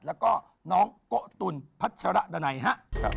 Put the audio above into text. แล้วก็น้องโกะตุ๋นพัชรดันัยฮะ